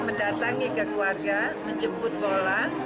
mendatangi ke keluarga menjemput bola